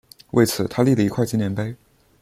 为此他立了一块纪念碑。